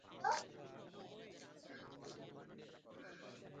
ভালো মনের, ঈশ্বরভক্ত মানুষেরা।